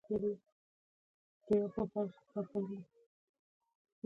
دا له میلاد څخه شاوخوا یو سل کاله وروسته وه